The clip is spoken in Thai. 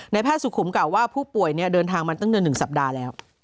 แพทย์สุขุมกล่าวว่าผู้ป่วยเดินทางมาตั้งเดือน๑สัปดาห์แล้ว